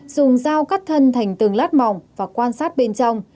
dùng dao cắt thân thành từng lát mỏng và quan sát bên trong